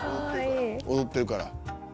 「踊ってるから」